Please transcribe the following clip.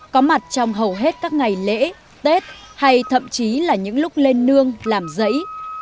có mặt trong hầu hết các ngày lễ tết hay thậm chí là những lúc lên nương làm giấy